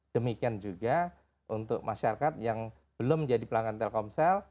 demikian juga untuk masyarakat yang belum jadi pelanggan telkomsel